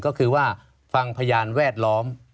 ก็คือว่าฟังพยานแวดล้อม